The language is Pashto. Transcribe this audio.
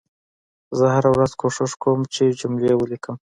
زه هره ورځ کوښښ کوم چې جملې ولیکم